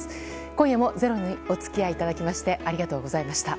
今夜も「ｚｅｒｏ」にお付き合いいただきましてありがとうございました。